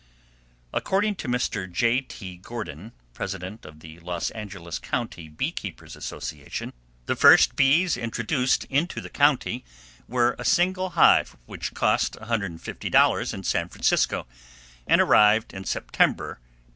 According to Mr. J.T. Gordon, President of the Los Angeles County Bee keepers' Association, the first bees introduced into the county were a single hive, which cost $150 in San Francisco, and arrived in September, 1854.